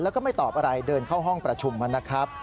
แล้วก็ไม่ตอบอะไรเดินเข้าห้องประชุมนะครับ